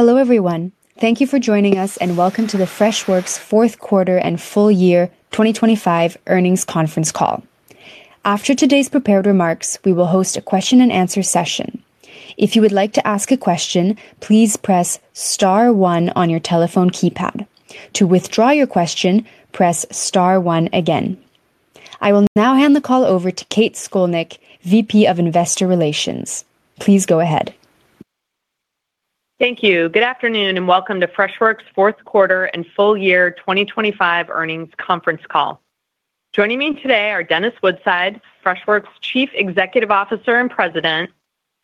Hello, everyone. Thank you for joining us, and welcome to the Freshworks fourth quarter and full year 2025 earnings conference call. After today's prepared remarks, we will host a question and answer session. If you would like to ask a question, please press star one on your telephone keypad. To withdraw your question, press star one again. I will now hand the call over to Kate Skolnick, VP of Investor Relations. Please go ahead. Thank you. Good afternoon, and welcome to Freshworks' fourth quarter and full year 2025 earnings conference call. Joining me today are Dennis Woodside, Freshworks' Chief Executive Officer and President,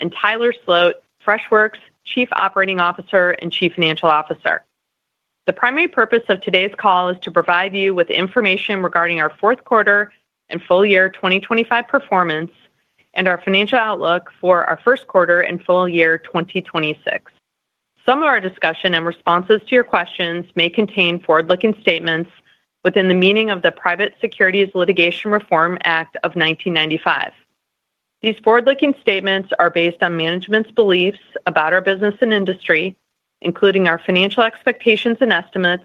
and Tyler Sloat, Freshworks' Chief Operating Officer and Chief Financial Officer. The primary purpose of today's call is to provide you with information regarding our fourth quarter and full year 2025 performance and our financial outlook for our first quarter and full year 2026. Some of our discussion and responses to your questions may contain forward-looking statements within the meaning of the Private Securities Litigation Reform Act of 1995. These forward-looking statements are based on management's beliefs about our business and industry, including our financial expectations and estimates,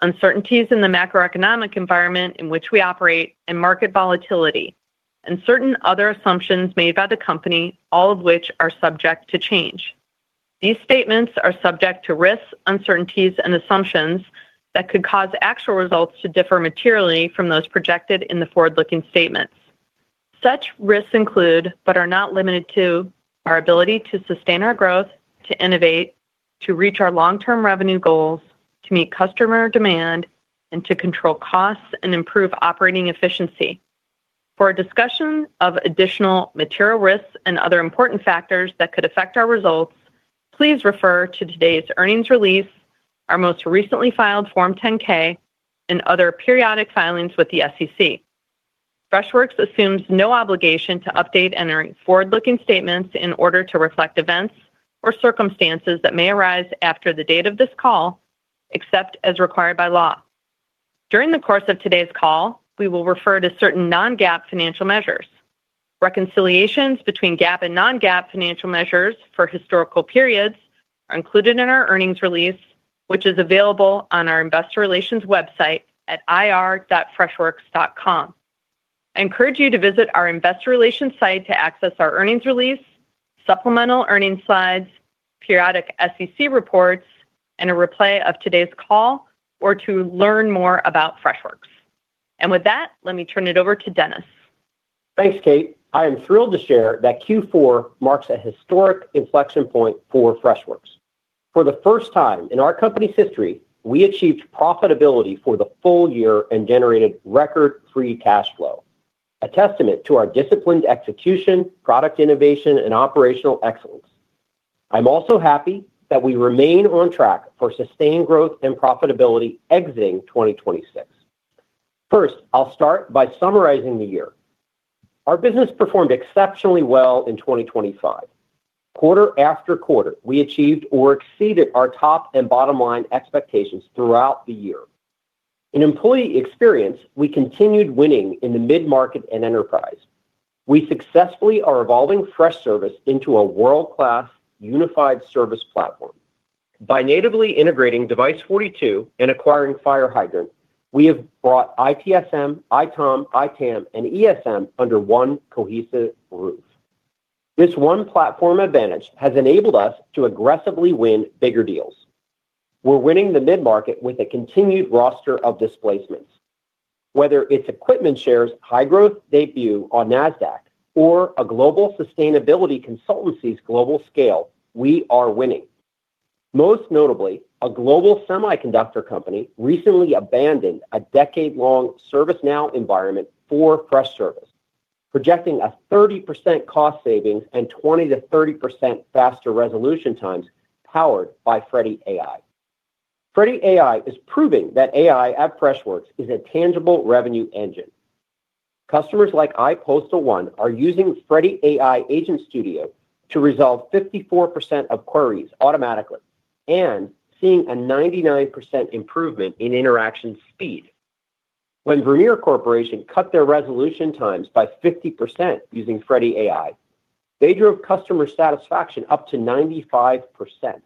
uncertainties in the macroeconomic environment in which we operate, and market volatility, and certain other assumptions made by the company, all of which are subject to change. These statements are subject to risks, uncertainties, and assumptions that could cause actual results to differ materially from those projected in the forward-looking statements. Such risks include, but are not limited to, our ability to sustain our growth, to innovate, to reach our long-term revenue goals, to meet customer demand, and to control costs and improve operating efficiency. For a discussion of additional material risks and other important factors that could affect our results, please refer to today's earnings release, our most recently filed Form 10-K, and other periodic filings with the SEC. Freshworks assumes no obligation to update any forward-looking statements in order to reflect events or circumstances that may arise after the date of this call, except as required by law. During the course of today's call, we will refer to certain Non-GAAP financial measures. Reconciliations between GAAP and Non-GAAP financial measures for historical periods are included in our earnings release, which is available on our investor relations website at ir.freshworks.com. I encourage you to visit our investor relations site to access our earnings release, supplemental earnings slides, periodic SEC reports, and a replay of today's call or to learn more about Freshworks. With that, let me turn it over to Dennis. Thanks, Kate. I am thrilled to share that Q4 marks a historic inflection point for Freshworks. For the first time in our company's history, we achieved profitability for the full year and generated record free cash flow, a testament to our disciplined execution, product innovation, and operational excellence. I'm also happy that we remain on track for sustained growth and profitability exiting 2026. First, I'll start by summarizing the year. Our business performed exceptionally well in 2025. Quarter after quarter, we achieved or exceeded our top and bottom line expectations throughout the year. In employee experience, we continued winning in the mid-market and enterprise. We successfully are evolving Freshservice into a world-class unified service platform. By natively integrating Device42 and acquiring FireHydrant, we have brought ITSM, ITOM, ITAM, and ESM under one cohesive roof. This one platform advantage has enabled us to aggressively win bigger deals. We're winning the mid-market with a continued roster of displacements. Whether it's EquipmentShare's high-growth debut on Nasdaq, or a global sustainability consultancy's global scale, we are winning. Most notably, a global semiconductor company recently abandoned a decade-long ServiceNow environment for Freshservice, projecting a 30% cost savings and 20%-30% faster resolution times, powered by Freddy AI. Freddy AI is proving that AI at Freshworks is a tangible revenue engine. Customers like iPostal1 are using Freddy AI Agent Studio to resolve 54% of queries automatically and seeing a 99% improvement in interaction speed. When Vermeer Corporation cut their resolution times by 50% using Freddy AI, they drove customer satisfaction up to 95%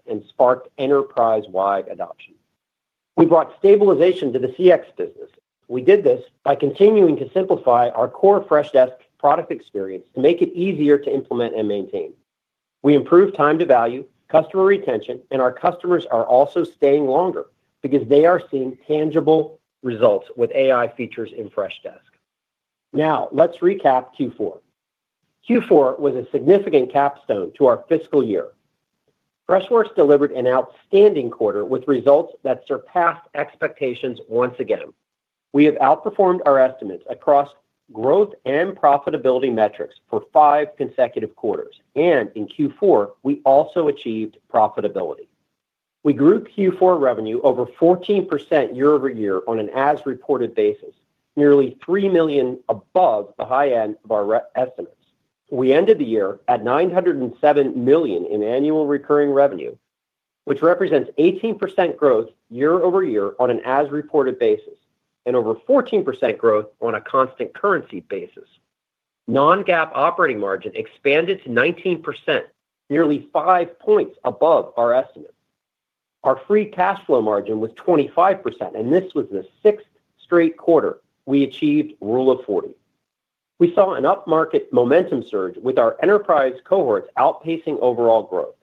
and sparked enterprise-wide adoption. We brought stabilization to the CX business. We did this by continuing to simplify our core Freshdesk product experience to make it easier to implement and maintain. We improved time to value, customer retention, and our customers are also staying longer because they are seeing tangible results with AI features in Freshdesk. Now, let's recap Q4. Q4 was a significant capstone to our fiscal year. Freshworks delivered an outstanding quarter with results that surpassed expectations once again. We have outperformed our estimates across growth and profitability metrics for five consecutive quarters, and in Q4, we also achieved profitability. We grew Q4 revenue over 14% year-over-year on an as-reported basis, nearly $3 million above the high end of our estimates. We ended the year at $907 million in annual recurring revenue, which represents 18% growth year-over-year on an as-reported basis and over 14% growth on a constant currency basis. Non-GAAP operating margin expanded to 19%, nearly five points above our free cash flow margin was 25%, and this was the sixth straight quarter we achieved Rule of 40. We saw an upmarket momentum surge with our enterprise cohorts outpacing overall growth,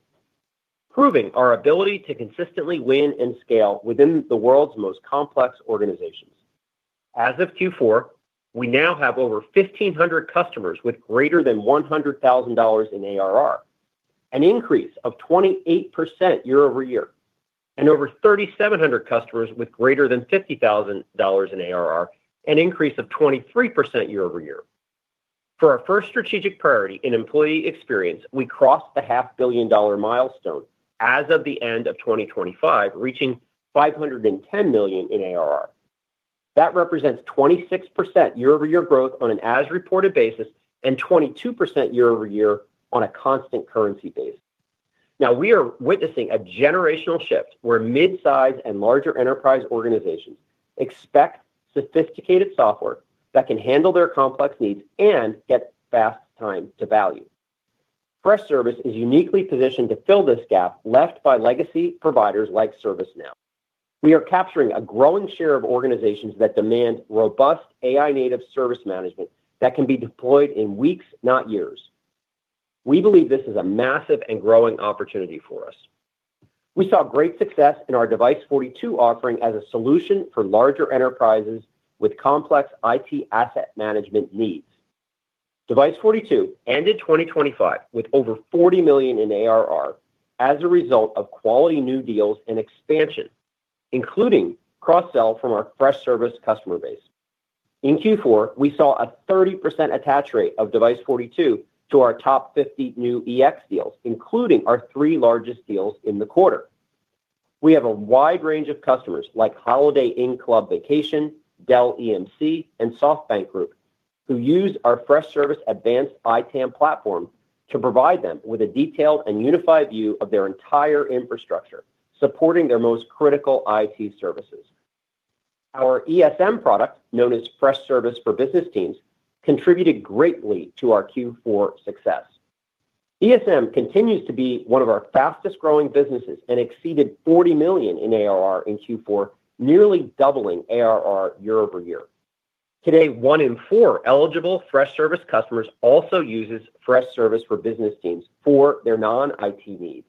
proving our ability to consistently win and scale within the world's most complex organizations. As of Q4, we now have over 1,500 customers with greater than $100,000 in ARR, an increase of 28% year-over-year, and over 3,700 customers with greater than $50,000 in ARR, an increase of 23% year-over-year. For our first strategic priority in employee experience, we crossed the $500 million milestone as of the end of 2025, reaching $510 million in ARR. That represents 26% year-over-year growth on an as-reported basis and 22% year-over-year on a constant currency basis. Now, we are witnessing a generational shift where midsize and larger enterprise organizations expect sophisticated software that can handle their complex needs and get fast time to value. Freshservice is uniquely positioned to fill this gap left by legacy providers like ServiceNow. We are capturing a growing share of organizations that demand robust AI-native service management that can be deployed in weeks, not years. We believe this is a massive and growing opportunity for us. We saw great success in our Device42 offering as a solution for larger enterprises with complex IT asset management needs. Device42 ended 2025 with over $40 million in ARR as a result of quality new deals and expansion, including cross-sell from our Freshservice customer base. In Q4, we saw a 30% attach rate of Device42 to our top 50 new EX deals, including our 3 largest deals in the quarter. We have a wide range of customers like Holiday Inn Club Vacations, Dell EMC, and SoftBank Group, who use our Freshservice advanced ITAM platform to provide them with a detailed and unified view of their entire infrastructure, supporting their most critical IT services. Our ESM product, known as Freshservice for Business Teams, contributed greatly to our Q4 success. ESM continues to be one of our fastest-growing businesses and exceeded $40 million in ARR in Q4, nearly doubling ARR year-over-year. Today, one in four eligible Freshservice customers also uses Freshservice for Business Teams for their non-IT needs.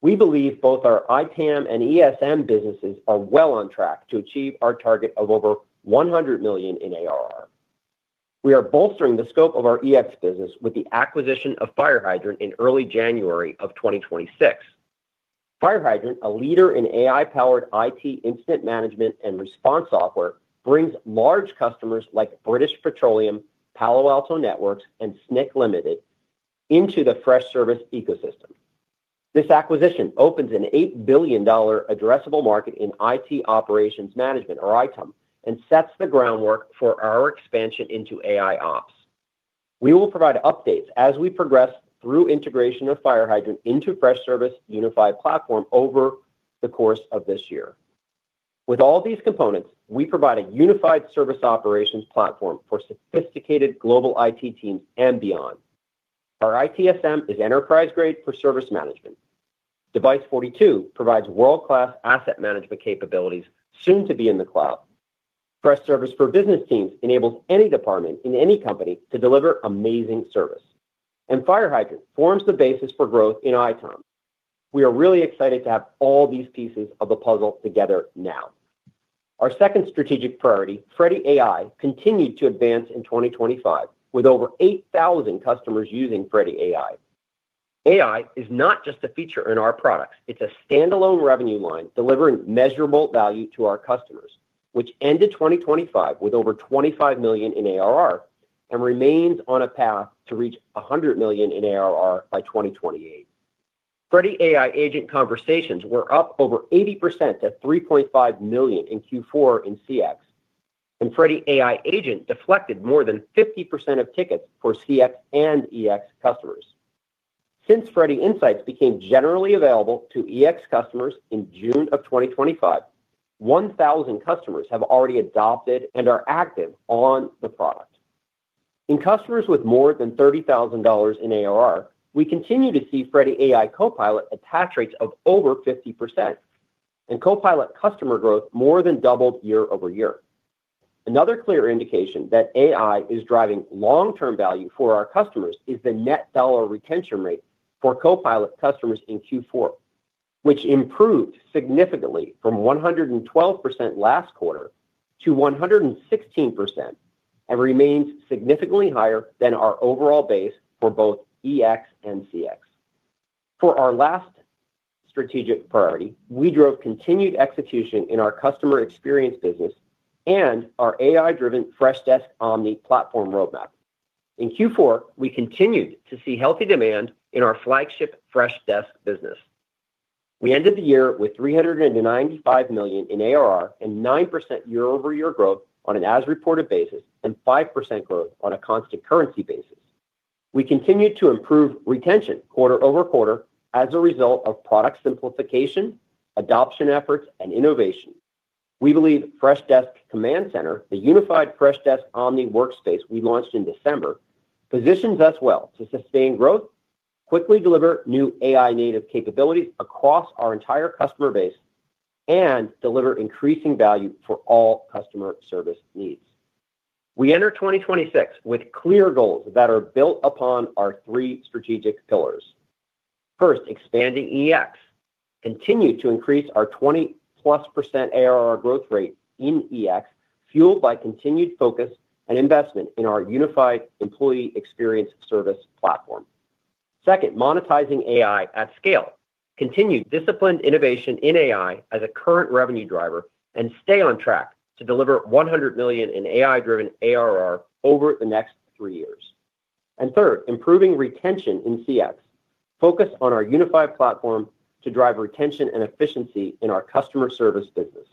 We believe both our ITAM and ESM businesses are well on track to achieve our target of over $100 million in ARR. We are bolstering the scope of our EX business with the acquisition of FireHydrant in early January 2026. FireHydrant, a leader in AI-powered IT incident management and response software, brings large customers like British Petroleum, Palo Alto Networks, and Snyk Limited into the Freshservice ecosystem. This acquisition opens an $8 billion addressable market in IT operations management or ITOM, and sets the groundwork for our expansion into AIOps. We will provide updates as we progress through integration of FireHydrant into Freshservice unified platform over the course of this year. With all these components, we provide a unified service operations platform for sophisticated global IT teams and beyond. Our ITSM is enterprise-grade for service management. Device42 provides world-class asset management capabilities, soon to be in the cloud. Freshservice for Business Teams enables any department in any company to deliver amazing service. And FireHydrant forms the basis for growth in ITOM. We are really excited to have all these pieces of the puzzle together now. Our second strategic priority, Freddy AI, continued to advance in 2025, with over 8,000 customers using Freddy AI. AI is not just a feature in our products, it's a standalone revenue line delivering measurable value to our customers, which ended 2025 with over $25 million in ARR and remains on a path to reach $100 million in ARR by 2028. Freddy AI Agent conversations were up over 80% to 3.5 million in Q4 in CX, and Freddy AI Agent deflected more than 50% of tickets for CX and EX customers. Since Freddy Insights became generally available to EX customers in June of 2025, 1,000 customers have already adopted and are active on the product. In customers with more than $30,000 in ARR, we continue to see Freddy AI Copilot attach rates of over 50%, and Copilot customer growth more than doubled year-over-year. Another clear indication that AI is driving long-term value for our customers is the net dollar retention rate for Copilot customers in Q4, which improved significantly from 112% last quarter to 116%, and remains significantly higher than our overall base for both EX and CX. For our last strategic priority, we drove continued execution in our customer experience business and our AI-driven Freshdesk Omni platform roadmap. In Q4, we continued to see healthy demand in our flagship Freshdesk business. We ended the year with $395 million in ARR and 9% year-over-year growth on an as-reported basis and 5% growth on a constant currency basis. We continued to improve retention quarter-over-quarter as a result of product simplification, adoption efforts, and innovation. We believe Freshdesk Command Center, the unified Freshdesk Omni workspace we launched in December, positions us well to sustain growth, quickly deliver new AI-native capabilities across our entire customer base, and deliver increasing value for all customer service needs. We enter 2026 with clear goals that are built upon our three strategic pillars. First, expanding EX. Continue to increase our 20%+ ARR growth rate in EX, fueled by continued focus and investment in our unified employee experience service platform. Second, monetizing AI at scale. Continue disciplined innovation in AI as a current revenue driver, and stay on track to deliver $100 million in AI-driven ARR over the next three years. And third, improving retention in CX. Focus on our unified platform to drive retention and efficiency in our customer service business.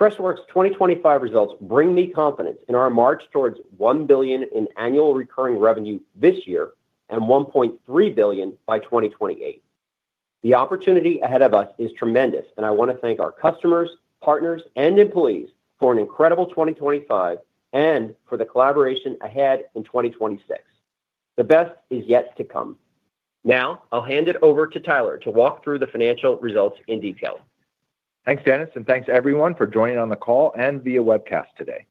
Freshworks' 2025 results bring me confidence in our march towards $1 billion in annual recurring revenue this year, and $1.3 billion by 2028. The opportunity ahead of us is tremendous, and I want to thank our customers, partners, and employees for an incredible 2025 and for the collaboration ahead in 2026. The best is yet to come. Now, I'll hand it over to Tyler to walk through the financial results in detail. Thanks, Dennis, and thanks to everyone for joining on the call and via webcast today.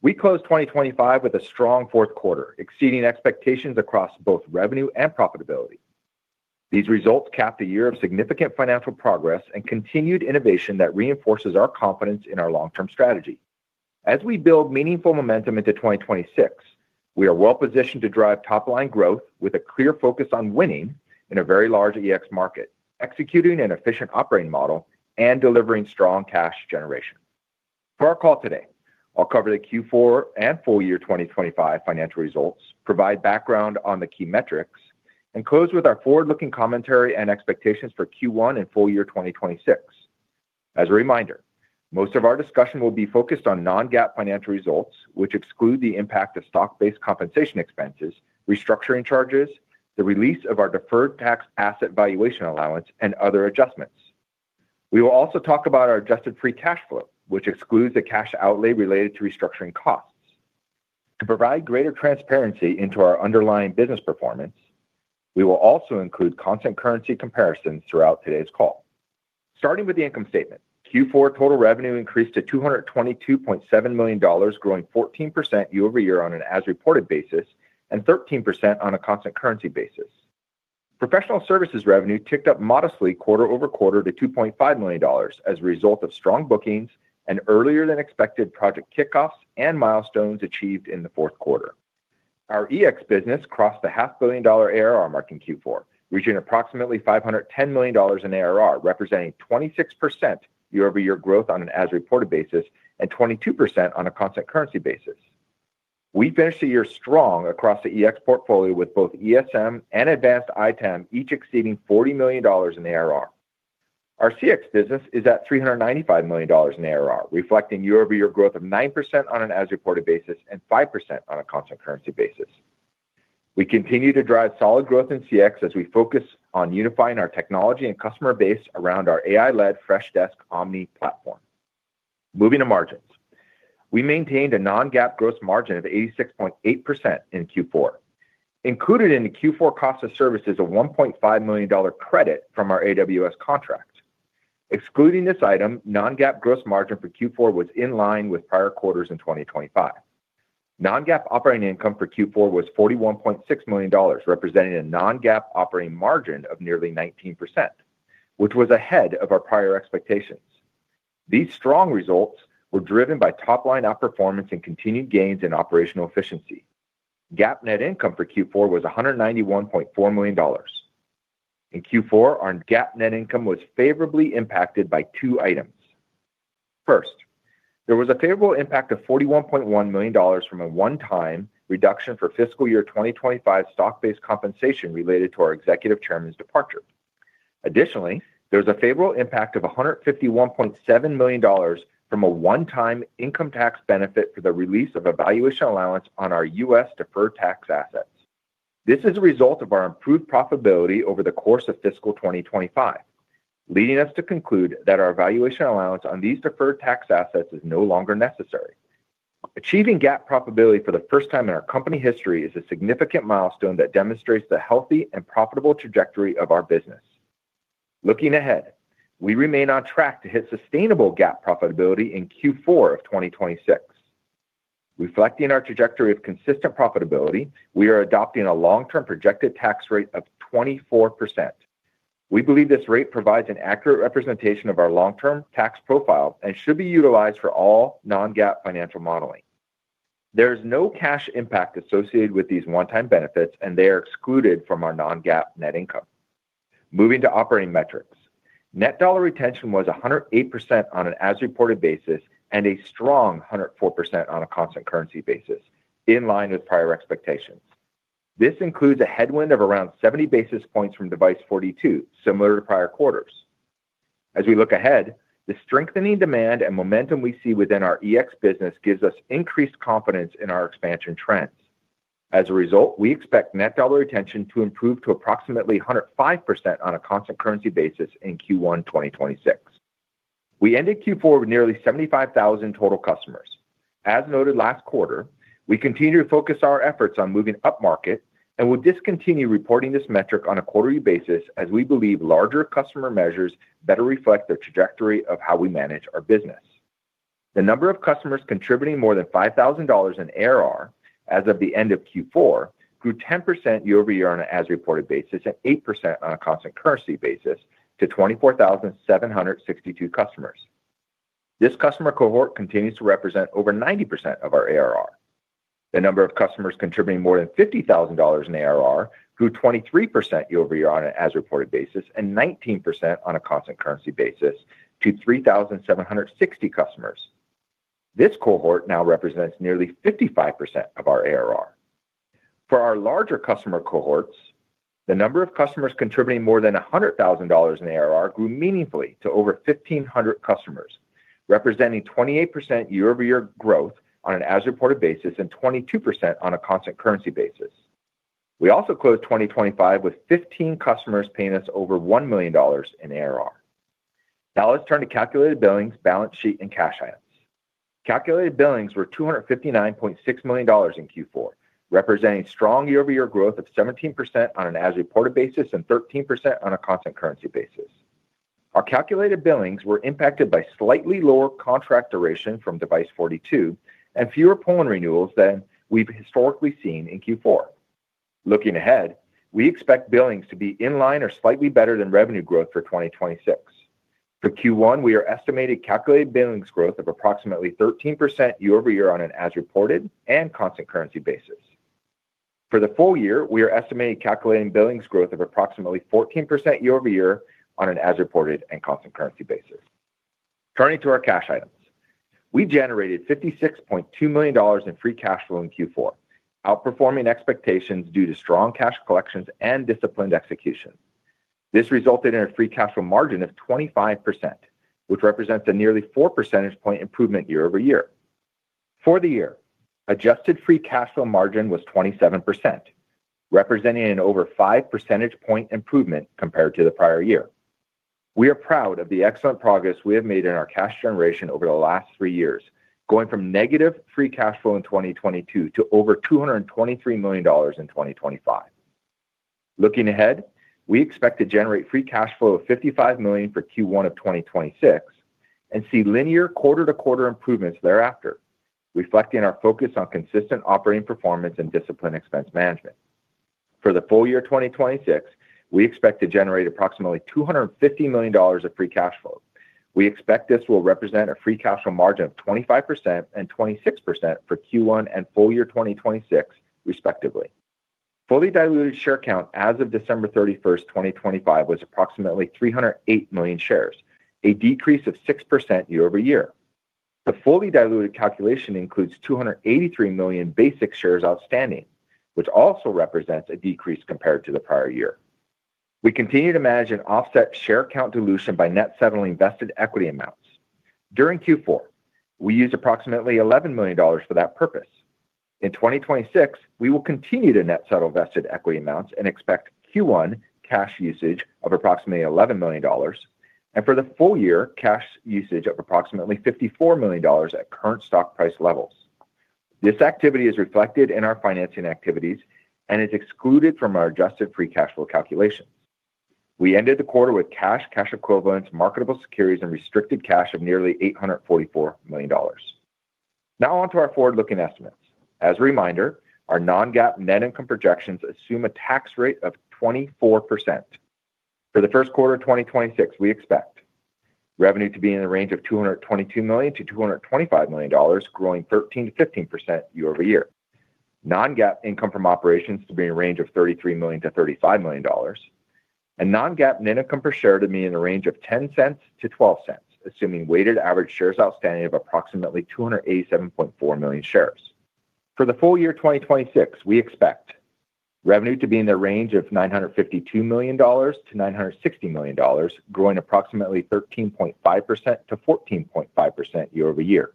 We closed 2025 with a strong fourth quarter, exceeding expectations across both revenue and profitability. These results capped a year of significant financial progress and continued innovation that reinforces our confidence in our long-term strategy. As we build meaningful momentum into 2026, we are well positioned to drive top-line growth with a clear focus on winning in a very large EX market, executing an efficient operating model, and delivering strong cash generation. For our call today, I'll cover the Q4 and full year 2025 financial results, provide background on the key metrics, and close with our forward-looking commentary and expectations for Q1 and full year 2026. As a reminder, most of our discussion will be focused on Non-GAAP financial results, which exclude the impact of stock-based compensation expenses, restructuring charges, the release of our deferred tax asset valuation allowance, and other adjustments. We will also talk about our adjusted free cash flow, which excludes the cash outlay related to restructuring costs. To provide greater transparency into our underlying business performance, we will also include constant currency comparisons throughout today's call. Starting with the income statement, Q4 total revenue increased to $222.7 million, growing 14% year-over-year on an as-reported basis and 13% on a constant currency basis. Professional services revenue ticked up modestly quarter-over-quarter to $2.5 million as a result of strong bookings and earlier than expected project kickoffs and milestones achieved in the fourth quarter. Our EX business crossed the $500 million ARR mark in Q4, reaching approximately $510 million in ARR, representing 26% year-over-year growth on an as-reported basis and 22% on a constant currency basis. We finished the year strong across the EX portfolio, with both ESM and Advanced ITAM each exceeding $40 million in ARR. Our CX business is at $395 million in ARR, reflecting year-over-year growth of 9% on an as-reported basis and 5% on a constant currency basis. We continue to drive solid growth in CX as we focus on unifying our technology and customer base around our AI-led Freshdesk Omni platform. Moving to margins. We maintained a Non-GAAP gross margin of 86.8% in Q4. Included in the Q4 cost of service is a $1.5 million credit from our AWS contract. Excluding this item, Non-GAAP gross margin for Q4 was in line with prior quarters in 2025. Non-GAAP operating income for Q4 was $41.6 million, representing a Non-GAAP operating margin of nearly 19%, which was ahead of our prior expectations. These strong results were driven by top-line outperformance and continued gains in operational efficiency. GAAP net income for Q4 was $191.4 million. In Q4, our GAAP net income was favorably impacted by two items. First, there was a favorable impact of $41.1 million from a one-time reduction for fiscal year 2025 stock-based compensation related to our executive chairman's departure. Additionally, there was a favorable impact of $151.7 million from a one-time income tax benefit for the release of a valuation allowance on our U.S. deferred tax assets. This is a result of our improved profitability over the course of fiscal 2025, leading us to conclude that our valuation allowance on these deferred tax assets is no longer necessary. Achieving GAAP profitability for the first time in our company history is a significant milestone that demonstrates the healthy and profitable trajectory of our business. Looking ahead, we remain on track to hit sustainable GAAP profitability in Q4 of 2026. Reflecting our trajectory of consistent profitability, we are adopting a long-term projected tax rate of 24%. We believe this rate provides an accurate representation of our long-term tax profile and should be utilized for all Non-GAAP financial modeling. There is no cash impact associated with these one-time benefits, and they are excluded from our Non-GAAP net income. Moving to operating metrics. net dollar retention was 108% on an as-reported basis and a strong 104% on a constant currency basis, in line with prior expectations. This includes a headwind of around 70 basis points from Device42, similar to prior quarters. As we look ahead, the strengthening demand and momentum we see within our EX business gives us increased confidence in our expansion trends. As a result, we expect net dollar retention to improve to approximately 105% on a constant currency basis in Q1 2026. We ended Q4 with nearly 75,000 total customers. As noted last quarter, we continue to focus our efforts on moving upmarket and will discontinue reporting this metric on a quarterly basis, as we believe larger customer measures better reflect the trajectory of how we manage our business. The number of customers contributing more than $5,000 in ARR as of the end of Q4 grew 10% year-over-year on an as-reported basis and 8% on a constant currency basis to 24,762 customers. This customer cohort continues to represent over 90% of our ARR. The number of customers contributing more than $50,000 in ARR grew 23% year-over-year on an as-reported basis and 19% on a constant currency basis to 3,760 customers. This cohort now represents nearly 55% of our ARR. For our larger customer cohorts, the number of customers contributing more than $100,000 in ARR grew meaningfully to over 1,500 customers, representing 28% year-over-year growth on an as-reported basis and 22% on a constant currency basis. We also closed 2025 with 15 customers paying us over $1 million in ARR. Now, let's turn to calculated billings, balance sheet, and cash items. Calculated billings were $259.6 million in Q4, representing strong year-over-year growth of 17% on an as-reported basis and 13% on a constant currency basis. Our calculated billings were impacted by slightly lower contract duration from Device42 and fewer multi-year renewals than we've historically seen in Q4. Looking ahead, we expect billings to be in line or slightly better than revenue growth for 2026. For Q1, we are estimating calculated billings growth of approximately 13% year-over-year on an as-reported and constant currency basis. For the full year, we are estimating calculated billings growth of approximately 14% year-over-year on an as-reported and constant currency basis. Turning to our cash items. We generated $56.2 million in free cash flow in Q4, outperforming expectations due to strong cash collections and disciplined execution. This resulted free cash flow margin of 25%, which represents a nearly 4 percentage point improvement year-over-year. For the free cash flow margin was 27%, representing an over 5 percentage point improvement compared to the prior year. We are proud of the excellent progress we have made in our cash generation over the last three years, going from negative free cash flow in 2022 to over $223 million in 2025. Looking ahead, we expect to generate free cash flow of $55 million for Q1 of 2026 and see linear quarter-to-quarter improvements thereafter, reflecting our focus on consistent operating performance and disciplined expense management. For the full year 2026, we expect to generate approximately $250 million of free cash flow. We expect this will free cash flow margin of 25% and 26% for Q1 and full year 2026, respectively. Fully diluted share count as of December 31, 2025, was approximately 308 million shares, a decrease of 6% year-over-year. The fully diluted calculation includes 283 million basic shares outstanding, which also represents a decrease compared to the prior year. We continue to manage and offset share count dilution by net settling vested equity amounts. During Q4, we used approximately $11 million for that purpose. In 2026, we will continue to net settle vested equity amounts and expect Q1 cash usage of approximately $11 million, and for the full year, cash usage of approximately $54 million at current stock price levels. This activity is reflected in our financing activities and is excluded from our adjusted free cash flow calculations. We ended the quarter with cash, cash equivalents, marketable securities, and restricted cash of nearly $844 million. Now on to our forward-looking estimates. As a reminder, our Non-GAAP net income projections assume a tax rate of 24%. For the first quarter of 2026, we expect revenue to be in the range of $222 million-$225 million, growing 13%-15% year-over-year. Non-GAAP income from operations to be in a range of $33 million-$35 million, and Non-GAAP net income per share to be in the range of $0.10-$0.12, assuming weighted average shares outstanding of approximately 287.4 million shares. For the full year 2026, we expect revenue to be in the range of $952 million-$960 million, growing approximately 13.5%-14.5% year-over-year.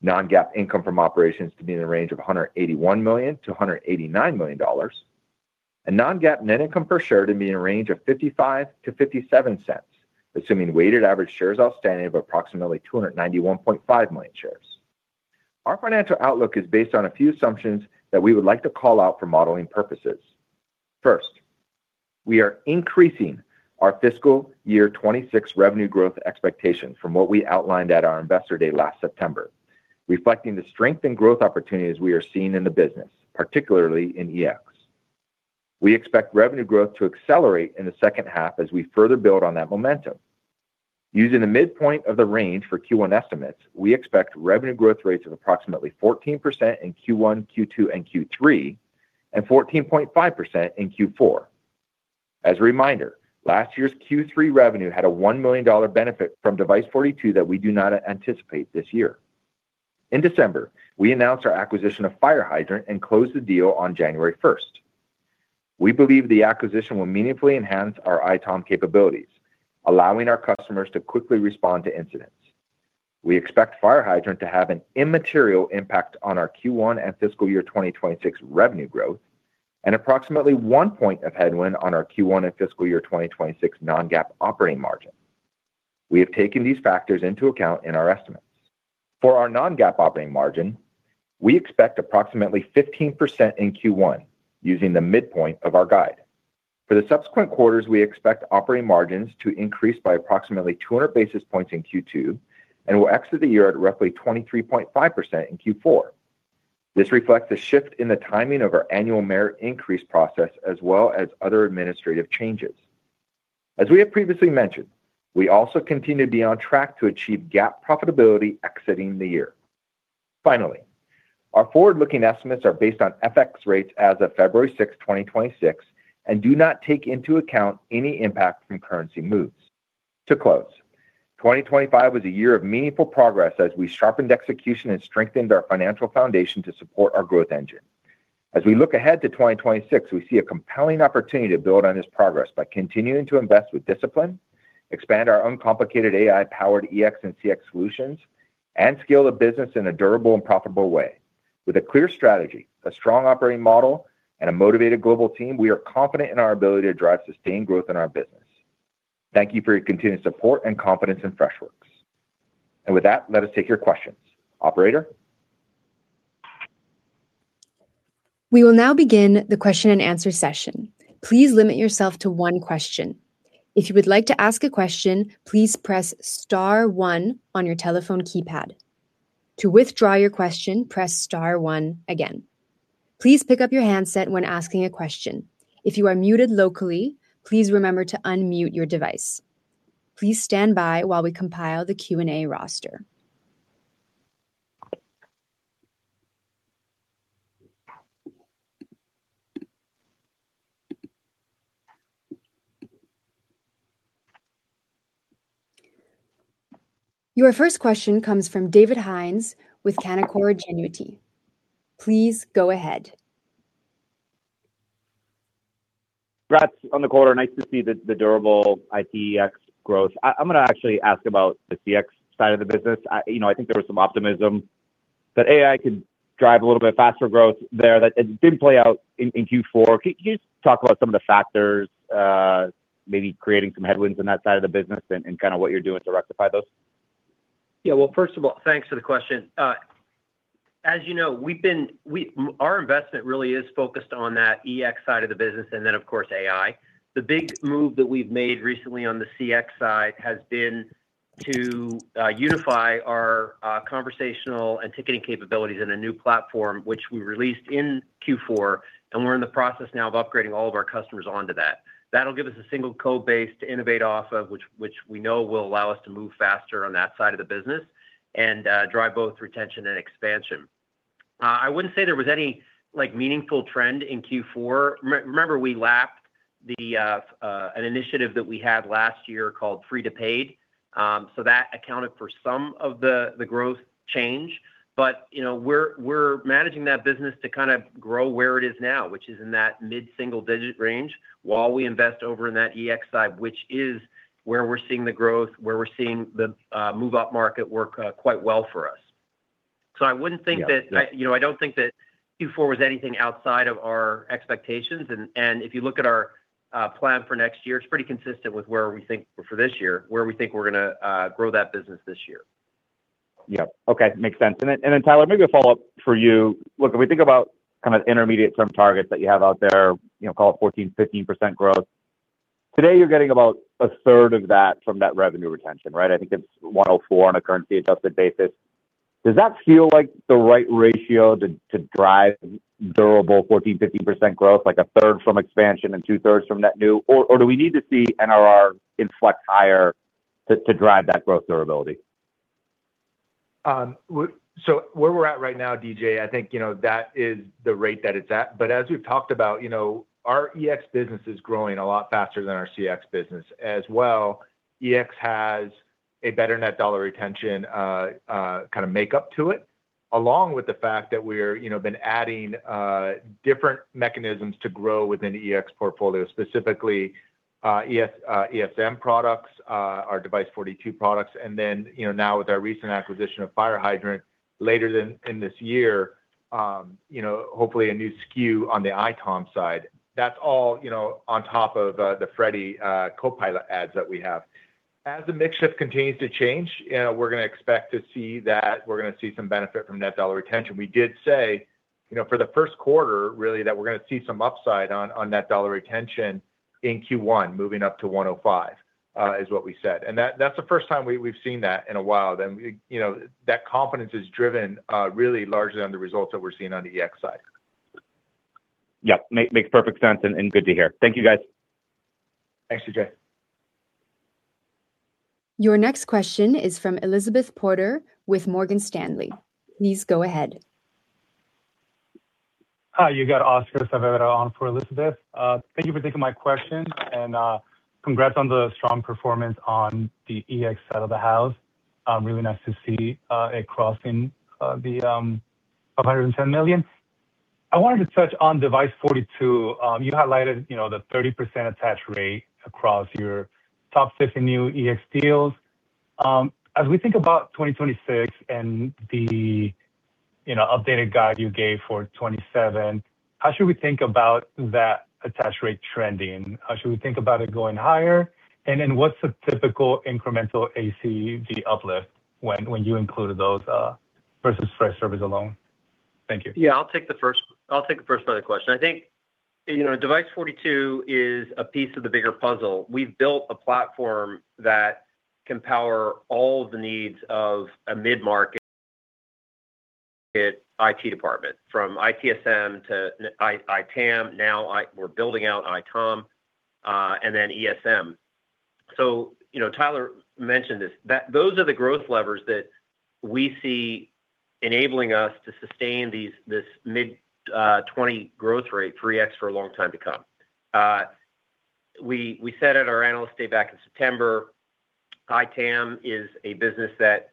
Non-GAAP income from operations to be in the range of $181 million-$189 million, and Non-GAAP net income per share to be in a range of $0.55-$0.57, assuming weighted average shares outstanding of approximately 291.5 million shares. Our financial outlook is based on a few assumptions that we would like to call out for modeling purposes. First, we are increasing our fiscal year 2026 revenue growth expectations from what we outlined at our Investor Day last September, reflecting the strength and growth opportunities we are seeing in the business, particularly in EX. We expect revenue growth to accelerate in the second half as we further build on that momentum. Using the midpoint of the range for Q1 estimates, we expect revenue growth rates of approximately 14% in Q1, Q2, and Q3, and 14.5% in Q4. As a reminder, last year's Q3 revenue had a $1 million benefit from Device42 that we do not anticipate this year. In December, we announced our acquisition of FireHydrant and closed the deal on January first. We believe the acquisition will meaningfully enhance our ITOM capabilities, allowing our customers to quickly respond to incidents. We expect FireHydrant to have an immaterial impact on our Q1 and fiscal year 2026 revenue growth, and approximately 1 point of headwind on our Q1 and fiscal year 2026 Non-GAAP operating margin. We have taken these factors into account in our estimates. For our Non-GAAP operating margin, we expect approximately 15% in Q1, using the midpoint of our guide. For the subsequent quarters, we expect operating margins to increase by approximately 200 basis points in Q2, and will exit the year at roughly 23.5% in Q4. This reflects a shift in the timing of our annual merit increase process, as well as other administrative changes. As we have previously mentioned, we also continue to be on track to achieve GAAP profitability exiting the year. Finally, our forward-looking estimates are based on FX rates as of February 6, 2026, and do not take into account any impact from currency moves. To close, 2025 was a year of meaningful progress as we sharpened execution and strengthened our financial foundation to support our growth engine. As we look ahead to 2026, we see a compelling opportunity to build on this progress by continuing to invest with discipline, expand our uncomplicated AI-powered EX and CX solutions, and scale the business in a durable and profitable way. With a clear strategy, a strong operating model, and a motivated global team, we are confident in our ability to drive sustained growth in our business. Thank you for your continued support and confidence in Freshworks. And with that, let us take your questions. Operator? We will now begin the question and answer session. Please limit yourself to one question. If you would like to ask a question, please press star one on your telephone keypad. To withdraw your question, press star one again. Please pick up your handset when asking a question. If you are muted locally, please remember to unmute your device. Please stand by while we compile the Q&A roster. Your first question comes from David Hynes with Canaccord Genuity. Please go ahead. Congrats on the quarter. Nice to see the durable ITEX growth. I'm gonna actually ask about the CX side of the business. You know, I think there was some optimism that AI could drive a little bit faster growth there, that it didn't play out in Q4. Can you just talk about some of the factors, maybe creating some headwinds on that side of the business and kind of what you're doing to rectify those? Yeah. Well, first of all, thanks for the question. As you know, we, our investment really is focused on that EX side of the business, and then, of course, AI. The big move that we've made recently on the CX side has been to unify our conversational and ticketing capabilities in a new platform, which we released in Q4, and we're in the process now of upgrading all of our customers onto that. That'll give us a single code base to innovate off of, which we know will allow us to move faster on that side of the business and drive both retention and expansion. I wouldn't say there was any, like, meaningful trend in Q4. Remember, we lapped an initiative that we had last year called Free to Paid, so that accounted for some of the growth change. But, you know, we're managing that business to kind of grow where it is now, which is in that mid-single-digit range, while we invest over in that EX side, which is where we're seeing the growth, where we're seeing the move-up market work quite well for us. So I wouldn't think that- Yeah. You know, I don't think that Q4 was anything outside of our expectations. And if you look at our plan for next year, it's pretty consistent with where we think for this year, where we think we're gonna grow that business this year. Yep. Okay, makes sense. And then, Tyler, maybe a follow-up for you. Look, if we think about kind of intermediate term targets that you have out there, you know, call it 14%-15% growth, today you're getting about a third of that from that revenue retention, right? I think it's 104 on a currency adjusted basis. Does that feel like the right ratio to drive durable 14%-15% growth, like a third from expansion and two-thirds from net new, or do we need to see NRR inflect higher to drive that growth durability? So where we're at right now, DJ, I think, you know, that is the rate that it's at. But as we've talked about, you know, our EX business is growing a lot faster than our CX business. As well, EX has a better net dollar retention, kind of makeup to it, along with the fact that we're, you know, been adding different mechanisms to grow within the EX portfolio. Specifically, ES, ESM products, our Device42 products, and then, you know, now with our recent acquisition of FireHydrant later in this year, you know, hopefully a new SKU on the ITOM side. That's all, you know, on top of the Freddy copilot adds that we have. As the mix shift continues to change, we're gonna expect to see that, we're gonna see some benefit from net dollar retention. We did say, you know, for the first quarter, really, that we're gonna see some upside on, on net dollar retention in Q1, moving up to 105, is what we said. That, that's the first time we, we've seen that in a while. You know, that confidence is driven, really largely on the results that we're seeing on the EX side. Yep, makes perfect sense, and good to hear. Thank you, guys. Thanks, DJ. Your next question is from Elizabeth Porter with Morgan Stanley. Please go ahead. Hi, you got Oscar Saavedra on for Elizabeth. Thank you for taking my question, and, congrats on the strong performance on the EX side of the house. Really nice to see, it crossing, the, $510 million. I wanted to touch on Device42. You highlighted, you know, the 30% attach rate across your top 50 new EX deals. As we think about 2026 and the, you know, updated guide you gave for 2027, how should we think about that attach rate trending? How should we think about it going higher? And then what's the typical incremental ACV uplift when, when you included those, versus Freshservice alone? Thank you. Yeah, I'll take the first part of the question. I think, you know, Device42 is a piece of the bigger puzzle. We've built a platform that can power all the needs of a mid-market IT department, from ITSM to ITAM. Now, we're building out ITOM, and then ESM. So, you know, Tyler mentioned this, that those are the growth levers that we see enabling us to sustain this mid-20 growth rate for EX for a long time to come. We said at our Analyst Day back in September, ITAM is a business that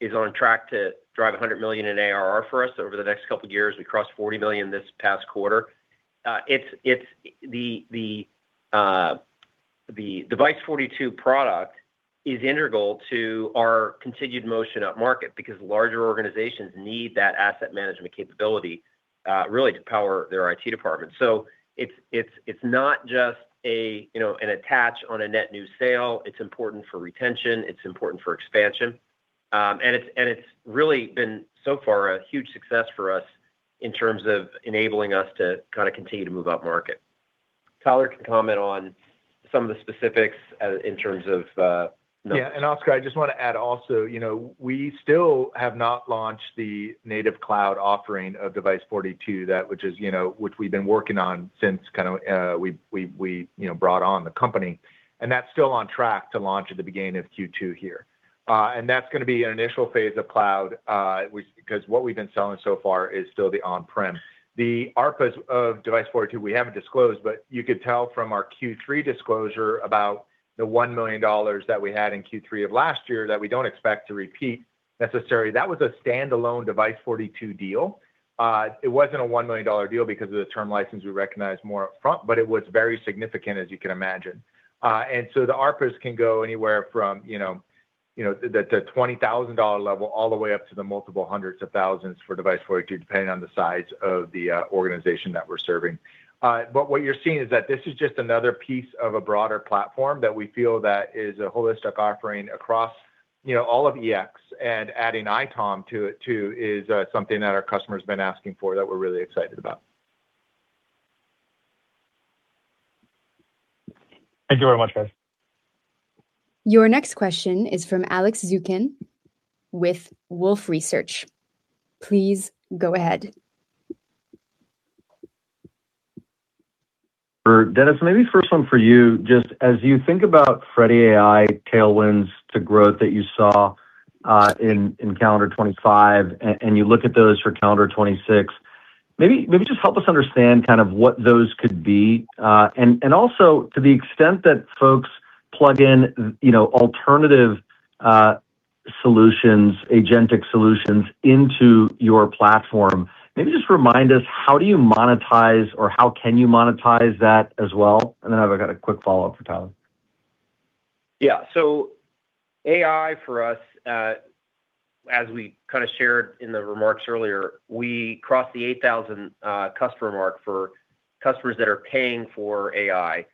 is on track to drive $100 million in ARR for us over the next couple of years. We crossed $40 million this past quarter. It's the Device42 product is integral to our continued motion upmarket, because larger organizations need that asset management capability, really, to power their IT department. So it's not just a, you know, an attach on a net new sale. It's important for retention, it's important for expansion. And it's really been, so far, a huge success for us in terms of enabling us to kinda continue to move upmarket. Tyler can comment on some of the specifics, in terms of, Yeah, and Oscar, I just want to add also, you know, we still have not launched the native cloud offering of Device42, that which is, you know, which we've been working on since kind of, we you know, brought on the company. And that's still on track to launch at the beginning of Q2 here. And that's gonna be an initial phase of cloud, which... Because what we've been selling so far is still the on-prem. The ARPAs of Device42, we haven't disclosed, but you could tell from our Q3 disclosure about the $1 million that we had in Q3 of last year that we don't expect to repeat necessarily. That was a standalone Device42 deal. It wasn't a $1 million deal because of the term license we recognized more upfront, but it was very significant, as you can imagine. And so the ARPAs can go anywhere from, you know, the $20,000 level, all the way up to the multiple hundreds of thousands for Device42, depending on the size of the organization that we're serving. But what you're seeing is that this is just another piece of a broader platform that we feel that is a holistic offering across, you know, all of EX. And adding ITOM to it, too, is something that our customers been asking for, that we're really excited about. Thank you very much, guys. Your next question is from Alex Zukin with Wolfe Research. Please go ahead. For Dennis, maybe first one for you, just as you think about Freddy AI tailwinds to growth that you saw, in calendar 2025, and you look at those for calendar 2026, maybe, maybe just help us understand kind of what those could be. And, and also, to the extent that folks plug in, you know, alternative, solutions, agentic solutions into your platform, maybe just remind us, how do you monetize or how can you monetize that as well? And then I've got a quick follow-up for Tyler. Yeah. So AI, for us, as we kinda shared in the remarks earlier, we crossed the 8,000 customer mark for customers that are paying for AI.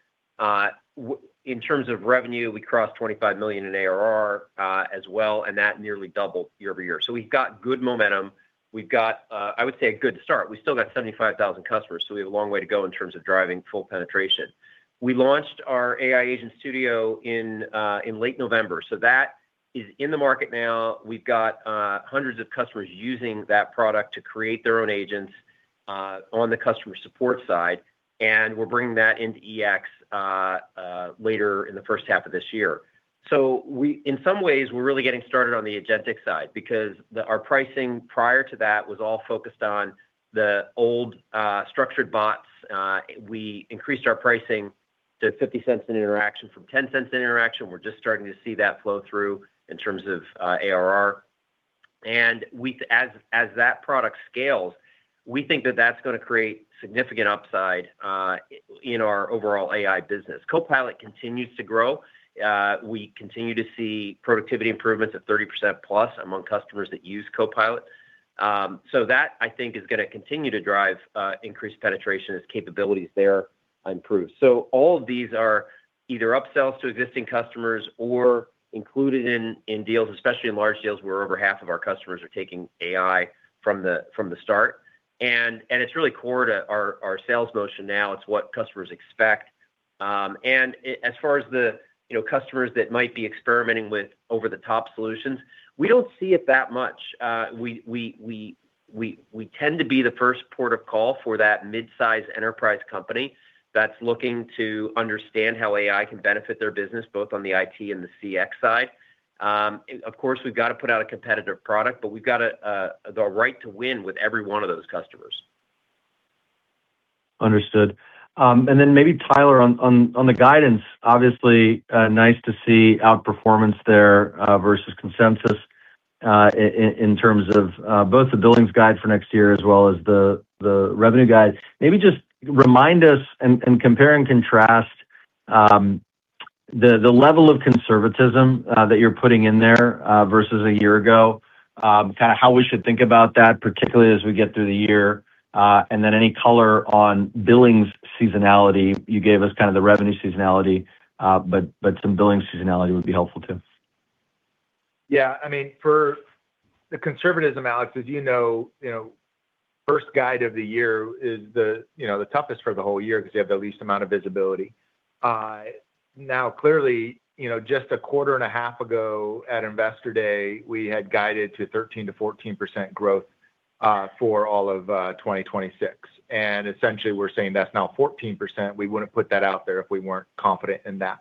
In terms of revenue, we crossed $25 million in ARR, as well, and that nearly doubled year-over-year. So we've got good momentum. We've got, I would say, a good start. We still got 75,000 customers, so we have a long way to go in terms of driving full penetration. We launched our AI agent studio in late November, so that is in the market now. We've got hundreds of customers using that product to create their own agents on the customer support side, and we're bringing that into EX later in the first half of this year. So we in some ways, we're really getting started on the agentic side because the, our pricing prior to that was all focused on the old, structured bots. We increased our pricing to $0.50 an interaction from $0.10 an interaction. We're just starting to see that flow through in terms of, ARR. And we as that product scales, we think that that's gonna create significant upside, in our overall AI business. Copilot continues to grow. We continue to see productivity improvements of 30%+ among customers that use Copilot. So that, I think, is gonna continue to drive, increased penetration as capabilities there improve. So all of these are either upsells to existing customers or included in deals, especially in large deals, where over half of our customers are taking AI from the start. It's really core to our sales motion now. It's what customers expect. As far as the, you know, customers that might be experimenting with over-the-top solutions, we don't see it that much. We tend to be the first port of call for that mid-sized enterprise company that's looking to understand how AI can benefit their business, both on the IT and the CX side. Of course, we've got to put out a competitive product, but we've got the right to win with every one of those customers.... Understood. And then maybe Tyler, on the guidance, obviously, nice to see outperformance there, versus consensus, in terms of both the billings guide for next year as well as the revenue guide. Maybe just remind us and compare and contrast the level of conservatism that you're putting in there versus a year ago. Kinda how we should think about that, particularly as we get through the year, and then any color on billings seasonality. You gave us kind of the revenue seasonality, but some billing seasonality would be helpful, too. Yeah, I mean, for the conservatism, Alex, as you know, you know, first guide of the year is the, you know, the toughest for the whole year because you have the least amount of visibility. Now, clearly, you know, just a quarter and a half ago, at Investor Day, we had guided to 13%-14% growth for all of 2026. And essentially, we're saying that's now 14%. We wouldn't put that out there if we weren't confident in that.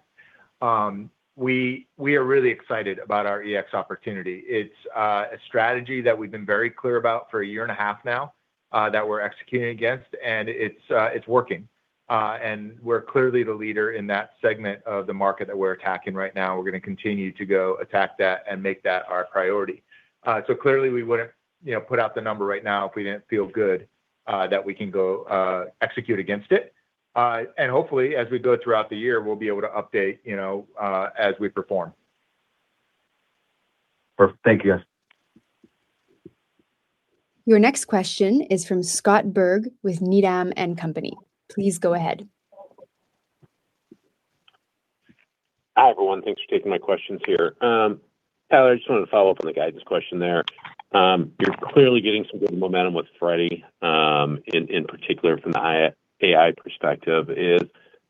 We are really excited about our EX opportunity. It's a strategy that we've been very clear about for a year and a half now that we're executing against, and it's working. And we're clearly the leader in that segment of the market that we're attacking right now. We're gonna continue to go attack that and make that our priority. So clearly, we wouldn't, you know, put out the number right now if we didn't feel good that we can go execute against it. And hopefully, as we go throughout the year, we'll be able to update, you know, as we perform. Perfect. Thank you guys. Your next question is from Scott Berg with Needham & Company. Please go ahead. Hi, everyone. Thanks for taking my questions here. Tyler, I just wanted to follow up on the guidance question there. You're clearly getting some good momentum with Freddy, in particular from the AI perspective: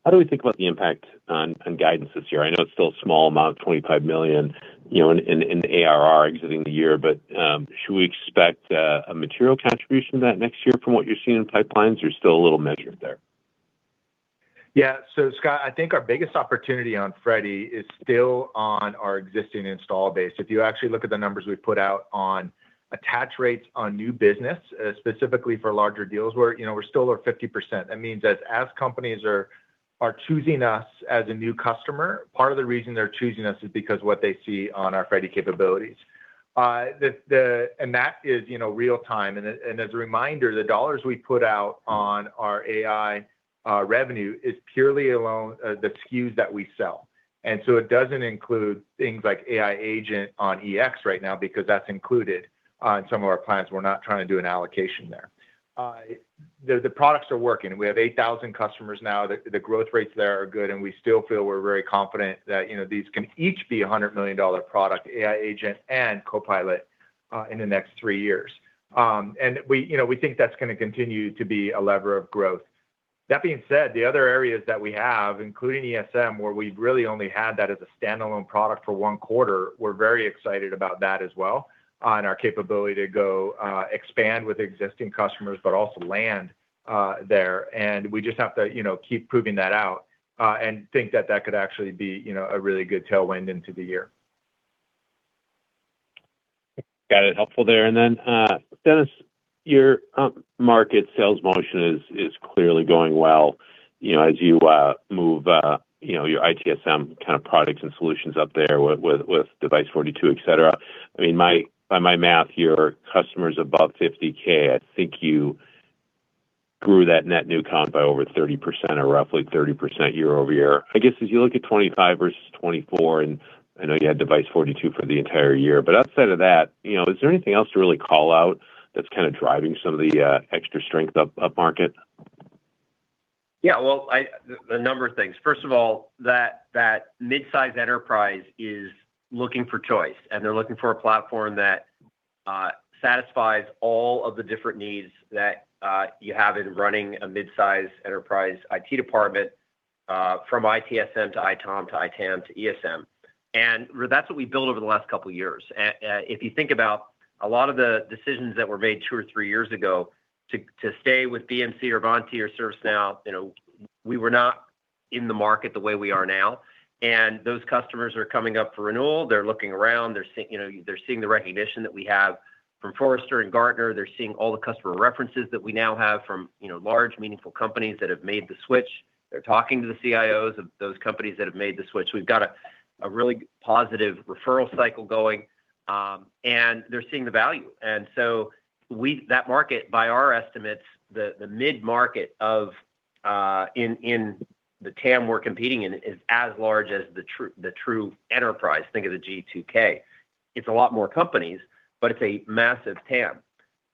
how do we think about the impact on guidance this year? I know it's still a small amount, $25 million, you know, in the ARR exiting the year, but should we expect a material contribution to that next year from what you're seeing in pipelines, or still a little measured there? Yeah. So, Scott, I think our biggest opportunity on Freddy is still on our existing install base. If you actually look at the numbers we've put out on attach rates on new business, specifically for larger deals, we're, you know, we're still over 50%. That means that as companies are choosing us as a new customer, part of the reason they're choosing us is because what they see on our Freddy capabilities. And that is, you know, real-time. And as a reminder, the dollars we put out on our AI revenue is purely alone the SKUs that we sell. And so it doesn't include things like AI agent on EX right now, because that's included on some of our plans. We're not trying to do an allocation there. The products are working. We have 8,000 customers now. The growth rates there are good, and we still feel we're very confident that, you know, these can each be a $100 million product, AI agent and copilot, in the next three years. And we, you know, we think that's gonna continue to be a lever of growth. That being said, the other areas that we have, including ESM, where we've really only had that as a standalone product for one quarter, we're very excited about that as well, on our capability to go, expand with existing customers, but also land there. And we just have to, you know, keep proving that out, and think that that could actually be, you know, a really good tailwind into the year. Got it. Helpful there. And then, Dennis, your market sales motion is clearly going well, you know, as you move, you know, your ITSM kind of products and solutions up there with Device42, et cetera. I mean, my, by my math, your customers above 50K, I think you grew that net new comp by over 30% or roughly 30% year-over-year. I guess, as you look at 2025 versus 2024, and I know you had Device42 for the entire year, but outside of that, you know, is there anything else to really call out that's kind of driving some of the extra strength upmarket? Yeah, well, a number of things. First of all, that mid-size enterprise is looking for choice, and they're looking for a platform that satisfies all of the different needs that you have in running a mid-size enterprise IT department, from ITSM to ITOM, to ITAM, to ESM. And that's what we built over the last couple of years. And if you think about a lot of the decisions that were made two or three years ago to stay with BMC or Ivanti or ServiceNow, you know, we were not in the market the way we are now, and those customers are coming up for renewal. They're looking around, they're seeing, you know, they're seeing the recognition that we have from Forrester and Gartner. They're seeing all the customer references that we now have from, you know, large, meaningful companies that have made the switch. They're talking to the CIOs of those companies that have made the switch. We've got a really positive referral cycle going, and they're seeing the value. And so, that market, by our estimates, the mid-market in the TAM we're competing in, is as large as the true enterprise. Think of the G2K. It's a lot more companies, but it's a massive TAM.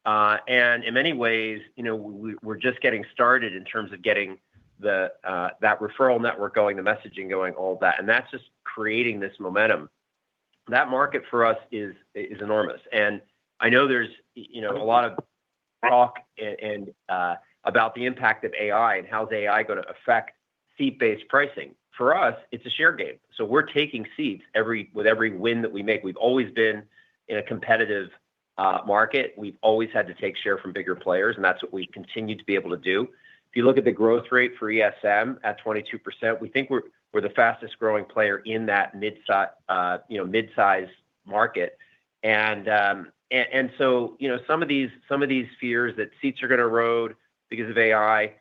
And in many ways, you know, we, we're just getting started in terms of getting that referral network going, the messaging going, all that, and that's just creating this momentum. That market for us is enormous. And I know there's, you know, a lot of talk and about the impact of AI and how the AI is going to affect seat-based pricing. For us, it's a share game, so we're taking seats with every win that we make. We've always been in a competitive market, we've always had to take share from bigger players, and that's what we continue to be able to do. If you look at the growth rate for ESM at 22%, we think we're the fastest-growing player in that mid-sized market. And so, you know, some of these fears that seats are gonna erode because of AI,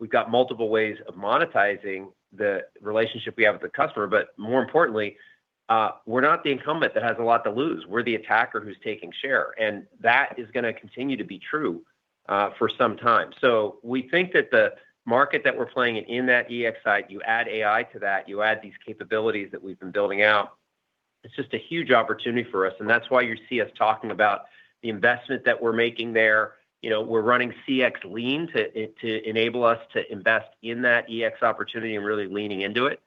we've got multiple ways of monetizing the relationship we have with the customer, but more importantly, we're not the incumbent that has a lot to lose. We're the attacker who's taking share, and that is gonna continue to be true for some time. So we think that the market that we're playing in, in that EX side, you add AI to that, you add these capabilities that we've been building out, it's just a huge opportunity for us, and that's why you see us talking about the investment that we're making there. You know, we're running CX lean to enable us to invest in that EX opportunity and really leaning into it.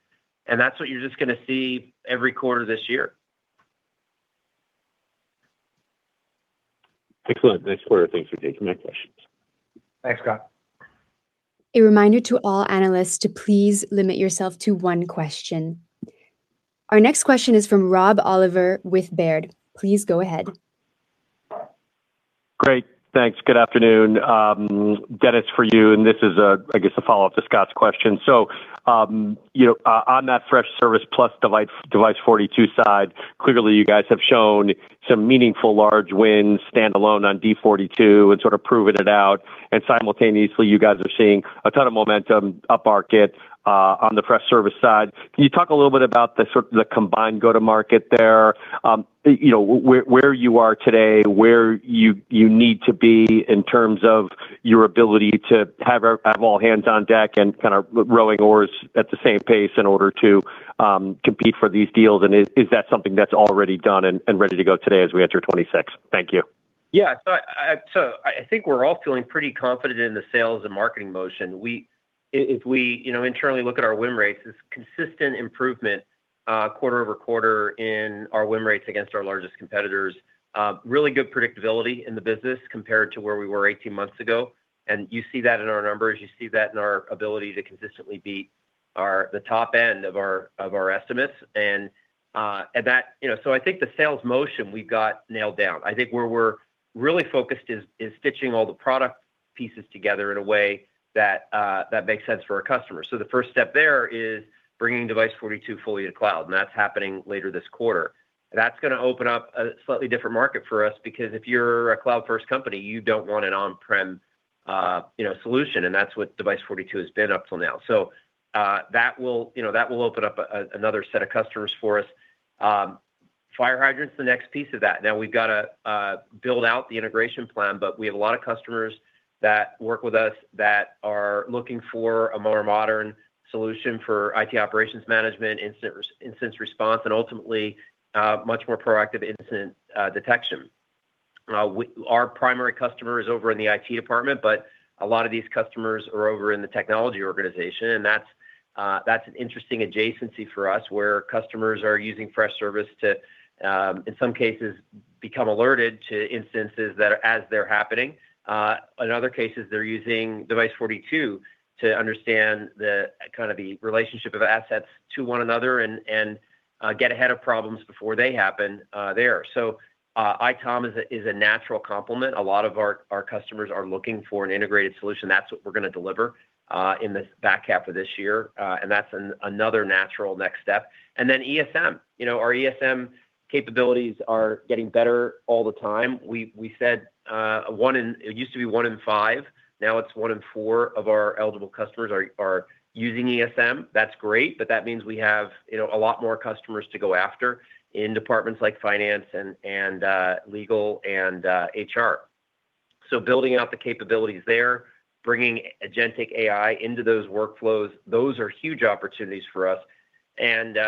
And that's what you're just gonna see every quarter this year. Excellent. Thanks, operator. Thanks for taking my questions. Thanks, Scott. A reminder to all analysts to please limit yourself to one question. Our next question is from Rob Oliver with Baird. Please go ahead. Great, thanks. Good afternoon. Dennis, for you, and this is, I guess a follow-up to Scott's question. So, you know, on that Freshservice plus Device42 side, clearly you guys have shown some meaningful large wins, standalone on Device42 and sort of proving it out, and simultaneously, you guys are seeing a ton of momentum upmarket, on the Freshservice side. Can you talk a little bit about the sort of the combined go-to-market there? You know, where, where you are today, where you, you need to be in terms of your ability to have all hands on deck and kind of rowing oars at the same pace in order to, compete for these deals, and is, is that something that's already done and, and ready to go today as we enter 2026? Thank you. So I think we're all feeling pretty confident in the sales and marketing motion. If we, you know, internally look at our win rates, it's consistent improvement quarter-over-quarter in our win rates against our largest competitors. Really good predictability in the business compared to where we were 18 months ago, and you see that in our numbers. You see that in our ability to consistently beat our, the top end of our, of our estimates, and, and that, you know... So I think the sales motion, we've got nailed down. I think where we're really focused is stitching all the product pieces together in a way that makes sense for our customers. So the first step there is bringing Device42 fully to cloud, and that's happening later this quarter. That's gonna open up a slightly different market for us because if you're a cloud-first company, you don't want an on-prem, you know, solution, and that's what Device42 has been up till now. So, that will, you know, that will open up another set of customers for us. FireHydrant's the next piece of that. Now, we've got to build out the integration plan, but we have a lot of customers that work with us that are looking for a more modern solution for IT operations management, incident response, and ultimately, much more proactive incident detection. Our primary customer is over in the IT department, but a lot of these customers are over in the technology organization, and that's an interesting adjacency for us, where customers are using Freshservice to, in some cases, become alerted to instances that are as they're happening. In other cases, they're using Device42 to understand the kind of the relationship of assets to one another and get ahead of problems before they happen there. So ITOM is a natural complement. A lot of our customers are looking for an integrated solution. That's what we're gonna deliver in this back half of this year, and that's another natural next step. And then ESM. You know, our ESM capabilities are getting better all the time. We said one in... It used to be one in five, now it's one in four of our eligible customers are using ESM. That's great, but that means we have, you know, a lot more customers to go after in departments like finance and legal, and HR. So building out the capabilities there, bringing agentic AI into those workflows, those are huge opportunities for us. And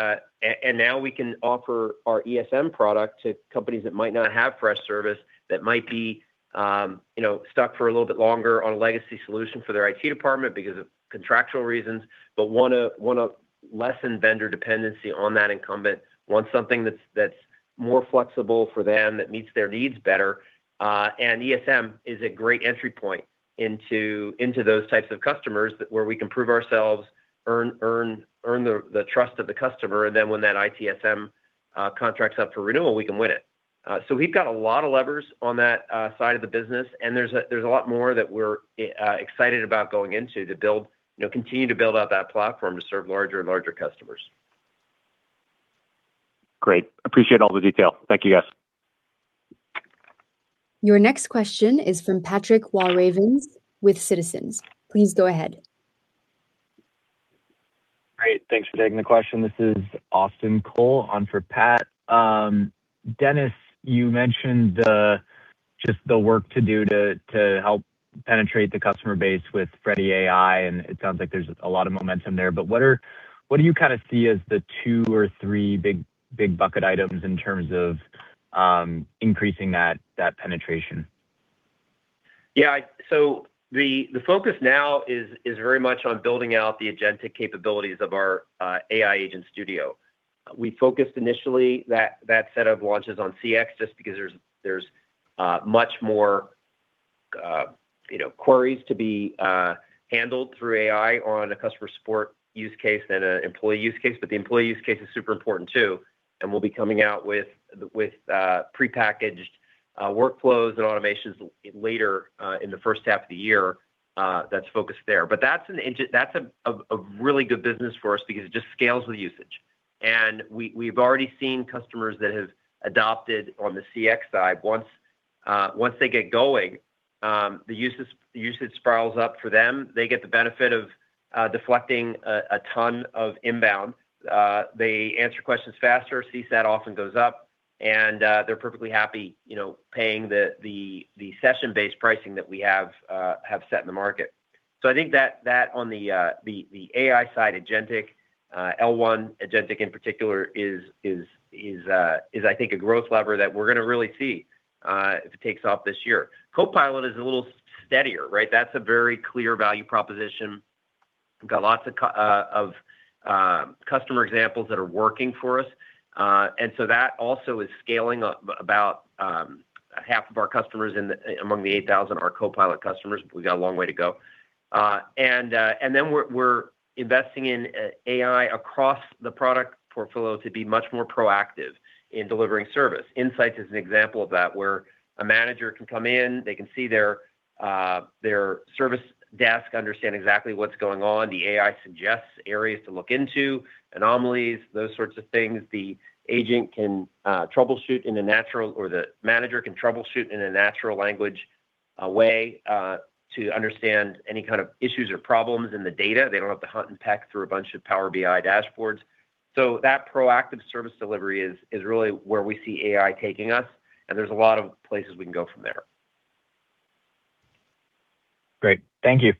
now we can offer our ESM product to companies that might not have Freshservice, that might be, you know, stuck for a little bit longer on a legacy solution for their IT department because of contractual reasons, but wanna lessen vendor dependency on that incumbent, want something that's more flexible for them, that meets their needs better. ESM is a great entry point into those types of customers, where we can prove ourselves, earn, earn, earn the trust of the customer, and then when that ITSM contract's up for renewal, we can win it. So we've got a lot of levers on that side of the business, and there's a lot more that we're excited about going into to build, you know, continue to build out that platform to serve larger and larger customers. Great. Appreciate all the detail. Thank you, guys. Your next question is from Patrick Walravens with Citizens. Please go ahead. Great. Thanks for taking the question. This is Austin Cole on for Pat. Dennis, you mentioned just the work to do to help penetrate the customer base with Freddy AI, and it sounds like there's a lot of momentum there, but what do you kinda see as the two or three big, big bucket items in terms of increasing that, that penetration? Yeah, so the focus now is very much on building out the agentic capabilities of our AI Agent Studio. We focused initially that set of launches on CX, just because there's much more, you know, queries to be handled through AI on a customer support use case than an employee use case, but the employee use case is super important too, and we'll be coming out with prepackaged workflows and automations later in the first half of the year, that's focused there. But that's a really good business for us because it just scales with usage. And we've already seen customers that have adopted on the CX side. Once they get going, the usage spirals up for them. They get the benefit of deflecting a ton of inbound. They answer questions faster, CSAT often goes up, and they're perfectly happy, you know, paying the session-based pricing that we have have set in the market. So I think that on the AI side, agentic L1 agentic in particular is I think a growth lever that we're gonna really see if it takes off this year. Copilot is a little steadier, right? That's a very clear value proposition. We've got lots of customer examples that are working for us, and so that also is scaling up. About half of our customers among the 8,000 are Copilot customers. We've got a long way to go. And then we're investing in AI across the product portfolio to be much more proactive in delivering service. Insights is an example of that, where a manager can come in, they can see their service desk, understand exactly what's going on. The AI suggests areas to look into, anomalies, those sorts of things. The agent can troubleshoot in a natural or the manager can troubleshoot in a natural language way to understand any kind of issues or problems in the data. They don't have to hunt and peck through a bunch of Power BI dashboards. So that proactive service delivery is really where we see AI taking us, and there's a lot of places we can go from there. Great. Thank you.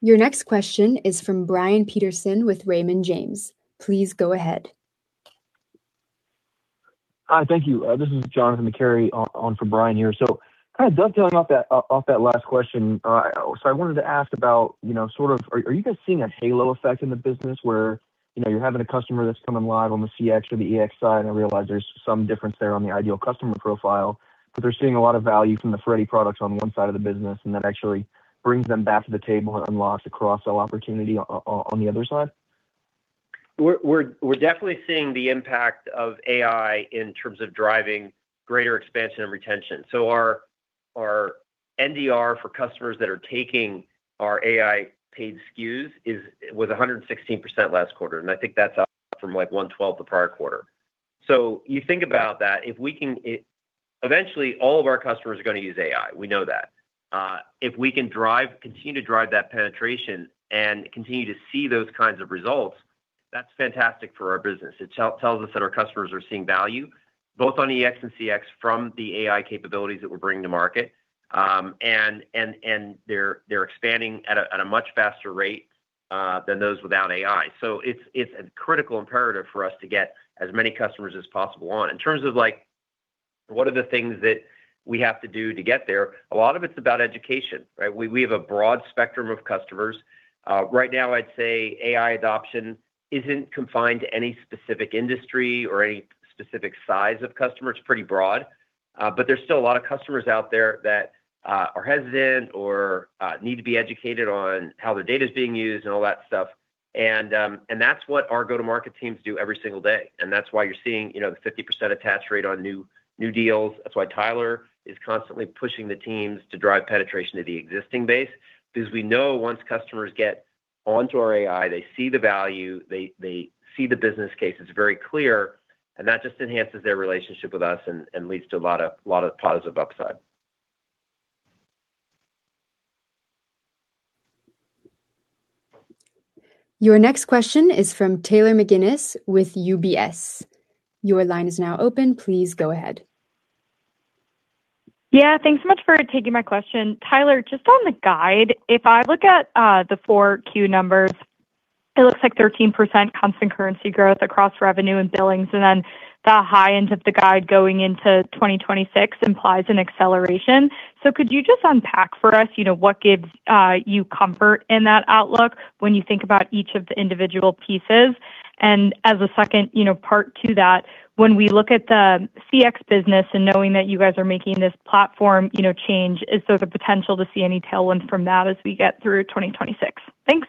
Your next question is from Brian Peterson with Raymond James. Please go ahead. Hi, thank you. This is Jonathan McCary on for Brian here. So kind of dovetailing off that off that last question, so I wanted to ask about, you know, sort of are you guys seeing a halo effect in the business where, you know, you're having a customer that's coming live on the CX or the EX side, and I realize there's some difference there on the ideal customer profile, but they're seeing a lot of value from the Freddy products on one side of the business, and that actually brings them back to the table and unlocks a cross-sell opportunity on the other side? We're definitely seeing the impact of AI in terms of driving greater expansion and retention. So our NDR for customers that are taking our AI paid SKUs was 116% last quarter, and I think that's up from, like, 112 the prior quarter. So you think about that. If we can—Eventually, all of our customers are gonna use AI. We know that. If we can drive, continue to drive that penetration and continue to see those kinds of results, that's fantastic for our business. It tells us that our customers are seeing value, both on EX and CX, from the AI capabilities that we're bringing to market. And they're expanding at a much faster rate than those without AI. So it's a critical imperative for us to get as many customers as possible on. In terms of, like, what are the things that we have to do to get there, a lot of it's about education, right? We have a broad spectrum of customers. Right now, I'd say AI adoption isn't confined to any specific industry or any specific size of customer. It's pretty broad, but there's still a lot of customers out there that are hesitant or need to be educated on how the data is being used and all that stuff. And that's what our go-to-market teams do every single day, and that's why you're seeing, you know, the 50% attach rate on new deals. That's why Tyler is constantly pushing the teams to drive penetration to the existing base. Because we know once customers get onto our AI, they see the value, they see the business case. It's very clear, and that just enhances their relationship with us and leads to a lot of positive upside. Your next question is from Taylor McGinnis with UBS. Your line is now open. Please go ahead. Yeah, thanks so much for taking my question. Tyler, just on the guide, if I look at, the 4Q numbers, it looks like 13% constant currency growth across revenue and billings, and then the high end of the guide going into 2026 implies an acceleration. So could you just unpack for us, you know, what gives, you comfort in that outlook when you think about each of the individual pieces? And as a second, you know, part to that, when we look at the CX business and knowing that you guys are making this platform, you know, change, is there the potential to see any tailwinds from that as we get through 2026? Thanks.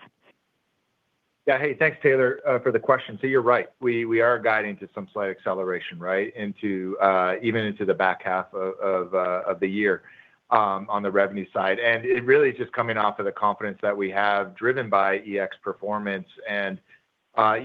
Yeah. Hey, thanks, Taylor, for the question. So you're right, we are guiding to some slight acceleration, right, into even into the back half of the year, on the revenue side. And it really is just coming off of the confidence that we have, driven by EX performance. And,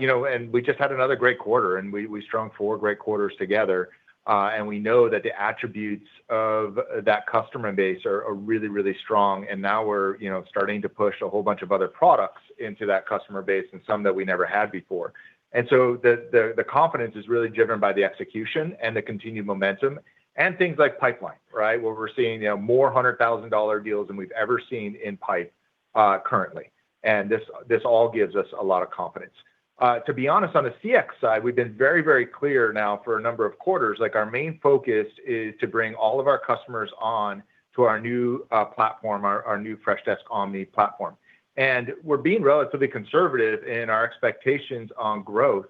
you know, and we just had another great quarter, and we, we've strung four great quarters together, and we know that the attributes of that customer base are really, really strong, and now we're, you know, starting to push a whole bunch of other products into that customer base and some that we never had before. And so the confidence is really driven by the execution and the continued momentum and things like pipeline, right? Where we're seeing, you know, more $100,000 deals than we've ever seen in pipe, currently, and this, this all gives us a lot of confidence. To be honest, on the CX side, we've been very, very clear now for a number of quarters, like, our main focus is to bring all of our customers on to our new platform, our new Freshdesk Omni platform. We're being relatively conservative in our expectations on growth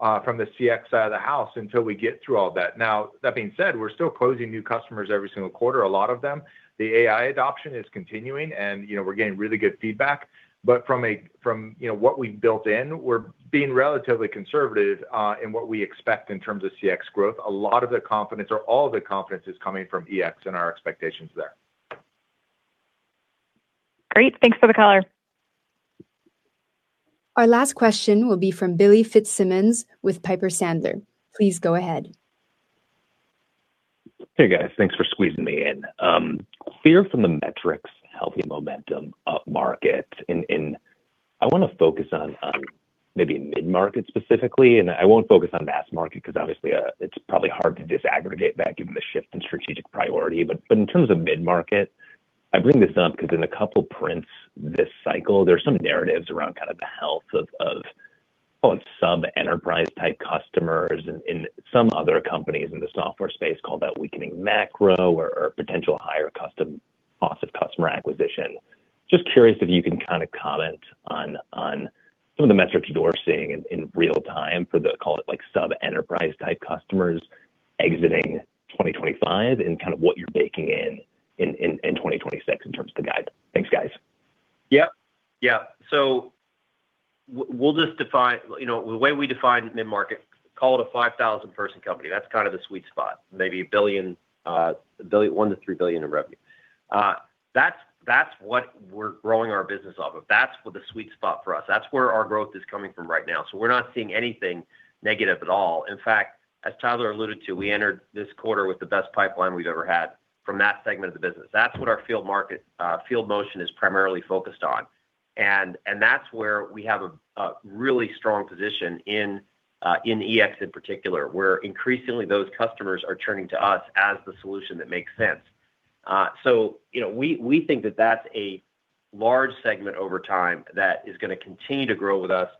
from the CX side of the house until we get through all that. Now, that being said, we're still closing new customers every single quarter, a lot of them. The AI adoption is continuing, and, you know, we're getting really good feedback. But from, you know, what we built in, we're being relatively conservative in what we expect in terms of CX growth. A lot of the confidence or all the confidence is coming from EX and our expectations there. Great. Thanks for the color. Our last question will be from Billy Fitzsimmons with Piper Sandler. Please go ahead. Hey, guys. Thanks for squeezing me in. Clear from the metrics, healthy momentum upmarket. And I wanna focus on maybe mid-market specifically, and I won't focus on mass market, 'cause obviously it's probably hard to disaggregate that given the shift in strategic priority. But in terms of mid-market, I bring this up 'cause in a couple prints this cycle, there's some narratives around kind of the health of sub-enterprise type customers, and some other companies in the software space called that weakening macro or potential higher cost of customer acquisition. Just curious if you can kinda comment on some of the metrics that we're seeing in real time for the, call it, like, sub-enterprise type customers exiting 2025, and kind of what you're baking in 2026 in terms of the guide. Thanks, guys. Yep. Yeah. So we'll just define... You know, the way we define mid-market, call it a 5,000-person company. That's kind of the sweet spot. Maybe $1 billion-$3 billion in revenue. That's what we're growing our business off of. That's the sweet spot for us. That's where our growth is coming from right now, so we're not seeing anything negative at all. In fact, as Tyler alluded to, we entered this quarter with the best pipeline we've ever had from that segment of the business. That's what our field marketing motion is primarily focused on. And that's where we have a really strong position in EX in particular, where increasingly those customers are turning to us as the solution that makes sense. So, you know, we think that that's a large segment over time that is gonna continue to grow with us.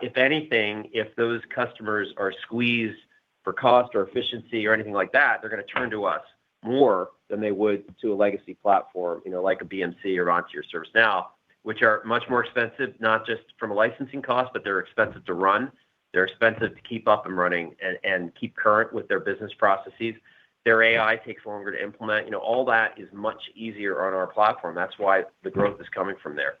If anything, if those customers are squeezed for cost or efficiency or anything like that, they're gonna turn to us more than they would to a legacy platform, you know, like a BMC or to your ServiceNow, which are much more expensive, not just from a licensing cost, but they're expensive to run, they're expensive to keep up and running and keep current with their business processes. Their AI takes longer to implement. You know, all that is much easier on our platform. That's why the growth is coming from there.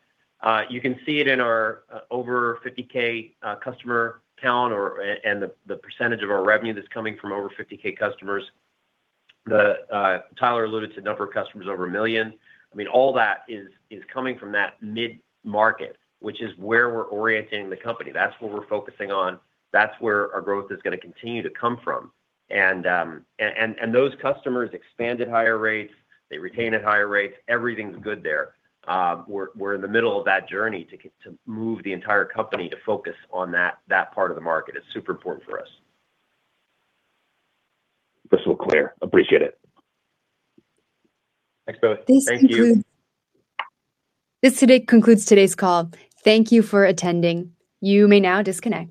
You can see it in our over 50K customer count and the percentage of our revenue that's coming from over 50K customers. Tyler alluded to the number of customers over 1 million. I mean, all that is coming from that mid-market, which is where we're orienting the company. That's what we're focusing on. That's where our growth is gonna continue to come from. And those customers expand at higher rates, they retain at higher rates, everything's good there. We're in the middle of that journey to get to move the entire company to focus on that part of the market. It's super important for us. Crystal clear. Appreciate it. Thanks, Billy. Thank you. This concludes today's call. Thank you for attending. You may now disconnect.